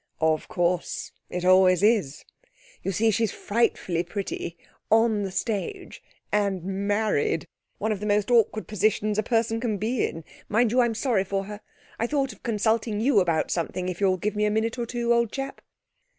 'Of course; it always is.' 'You see, she's frightfully pretty, on the stage, and married! One of the most awkward positions a person can be in. Mind you, I'm sorry for her. I thought of consulting you about something if you'll give me a minute or two, old chap.'